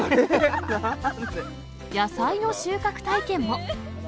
野菜の収穫体験も。